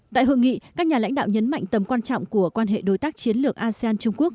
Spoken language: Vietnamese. tại hội nghị các nhà lãnh đạo nhấn mạnh tầm quan trọng của quan hệ đối tác chiến lược asean trung quốc